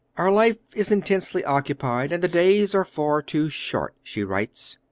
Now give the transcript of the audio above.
"Our life is intensely occupied, and the days are far too short," she writes.